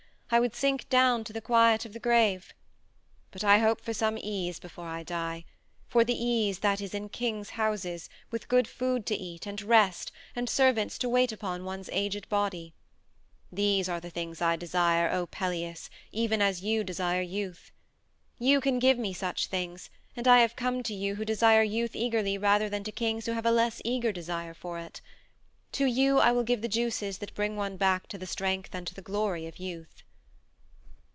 I would sink down to the quiet of the grave. But I hope for some ease before I die for the ease that is in king's houses, with good food to eat, and rest, and servants to wait upon one's aged body. These are the things I desire, O Pelias, even as you desire youth. You can give me such things, and I have come to you who desire youth eagerly rather than to kings who have a less eager desire for it. To you I will give the juices that bring one back to the strength and the glory of youth."